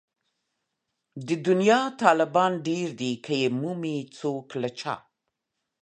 د دنيا طالبان ډېر دي که يې مومي څوک له چا